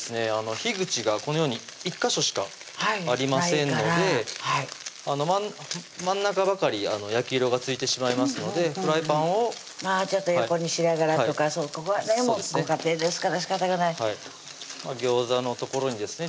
火口がこのように１ヵ所しかありませんので真ん中ばかり焼き色がついてしまいますのでフライパンをちょっと横にしながらとかそこはねもうご家庭ですからしかたがないギョーザの所にですね